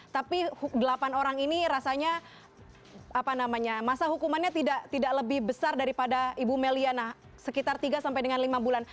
tapi delapan orang ini rasanya masa hukumannya tidak lebih besar daripada ibu meliana sekitar tiga sampai dengan lima bulan